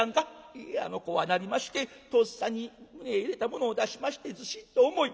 「いいえ怖なりましてとっさに胸へ入れたものを出しましてずしっと重い。